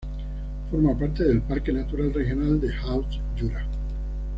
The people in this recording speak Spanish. Forma parte del parque natural regional del Haut-Jura.